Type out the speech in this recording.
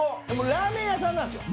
ラーメン屋さんなんすよ